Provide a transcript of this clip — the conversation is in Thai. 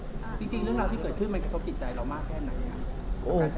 จริงเรื่องราวที่เกิดขึ้นมันกระทบจิตใจเรามากแค่ไหนครับ